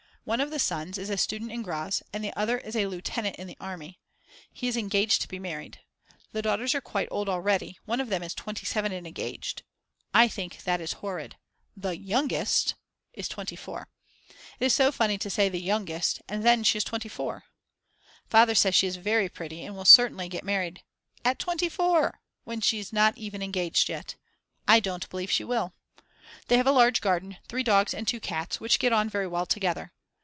One of the sons is a student in Graz and the other is a lieutenant in the army; he is engaged to be married. The daughters are quite old already; one of them is 27 and is engaged. I think that is horrid. The youngest (!!!) is 24. It is so funny to say "the youngest" and then she is 24. Father says she is very pretty and will certainly get married At 24!! when she's not even engaged yet; I don't believe she will. They have a large garden, 3 dogs and 2 cats, which get on very well together.